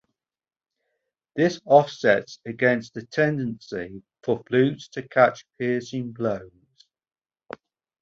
This offsets against the tendency for flutes to catch piercing blows.